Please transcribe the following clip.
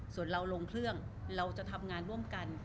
ส่วนเราลงเครื่องเราจะทำงานร่วมกัน